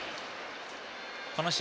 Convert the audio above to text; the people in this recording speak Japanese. この試合